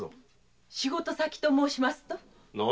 仕事先と申しますと？